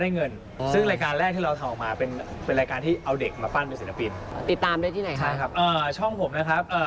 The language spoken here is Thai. ใช่ครับคือทุกคนที่มาออกรายการที่ผมคิดเนี่ย